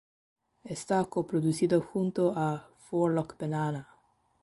Está coproducido junto a Four Luck Banana.